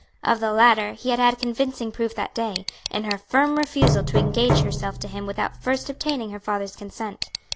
Of the latter, he had had convincing proof that day, in her firm refusal to engage herself to him without first obtaining her father's consent.